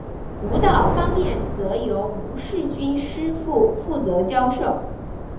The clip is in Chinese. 舞蹈方面则由吴世勋师傅负责教授。